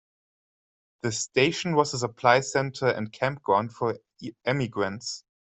The station was a supply center and campground for emigrants.